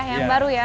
yang baru ya